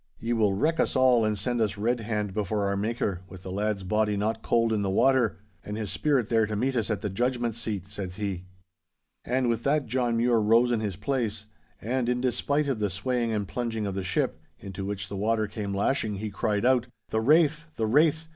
'"Ye will wreck us all and send us red hand before our Maker, with the lad's body not cold in the water, and his spirit there to meet us at the Judgment seat!" said he. 'And with that John Mure rose in his place, and in despite of the swaying and plunging of the ship, into which the water came lashing, he cried out, "The Wraith, the Wraith!